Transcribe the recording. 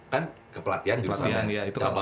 kan kepelatihan jurusan supnya apa